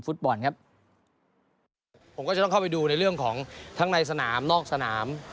ฟุตบอลครับผมก็จะต้องเข้าไปดูในเรื่องของทั้งในสนามนอกสนาม